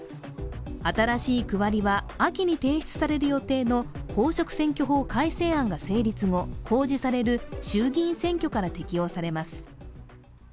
新しい区割りは秋に提出される予定の公職選挙法改正案が成立後公示される衆議院選挙から適用されます。